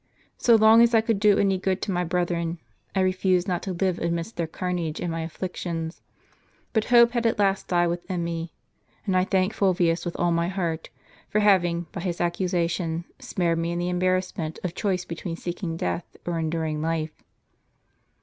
So long as I could do any good to my brethren, I refused not to live amidst their carnage and my afflictions. But hope had at last died within me ; and I thank Fulvius with all my heart, for having, by his accusation, spared me the embarrassment of choice between seeking death or enduring life."